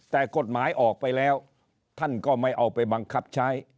แต่กฎหมายออกไปแล้วท่านก็ไม่เอาไปบังคับใช้